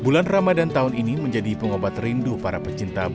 bulan ramadan tahun ini menjadi pengobat rindu para pecinta